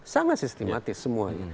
sangat sistematis semuanya